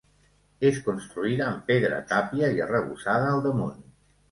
És construïda amb pedra, tàpia i arrebossada al damunt.